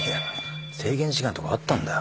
制限時間とかあったんだ